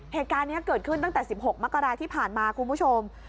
เหตุการณ์นี้เกิดขึ้นตั้งแต่๑๖มกราที่ผ่านมาคุณผู้ชม